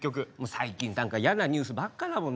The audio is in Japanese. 最近何か嫌なニュースばっかだもん。